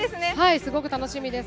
すごく楽しみです。